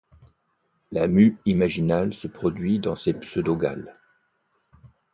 La mue imaginale se produit dans ces pseudo-galles.